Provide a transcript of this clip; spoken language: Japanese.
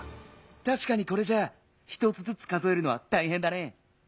たしかにこれじゃあ１つずつ数えるのはたいへんだね。